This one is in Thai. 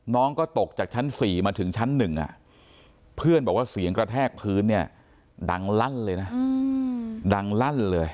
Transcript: น้องก็ตกจากชั้นสี่มาถึงชั้นหนึ่งอ่ะเพื่อนบอกว่าเสียงกระแทกพื้นเนี่ยดังลั่นเลยนะ